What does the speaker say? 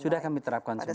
sudah kami terapkan semuanya